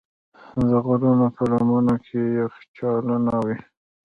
د غرونو په لمنو کې یخچالونه وي.